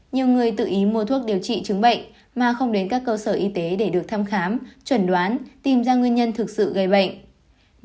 nguyên nhân gây bệnh không được điều trị trứng bệnh mà không đến các cơ sở y tế để được thăm khám chuẩn đoán tìm ra nguyên nhân thực sự gây bệnh